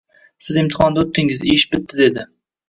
Siz imtihondan oʻtdingiz ish bitdi, dedi